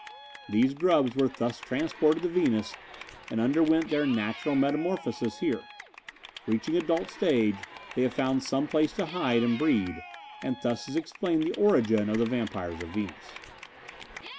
These grubs were thus transported to Venus and underwent their natural metamorphosis here. Reaching adult stage, they have found some place to hide and breed, and thus is explained the origin of the vampires of Venus.